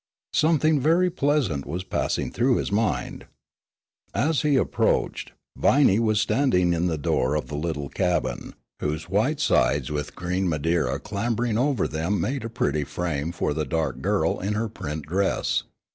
Something very pleasant was passing through his mind. As he approached, Viney was standing in the door of the little cabin, whose white sides with green Madeira clambering over them made a pretty frame for the dark girl in her print dress.